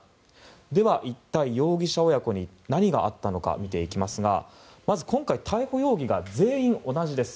では、一体、容疑者親子に何があったのか見ていきますがまず、今回逮捕容疑が全員同じです。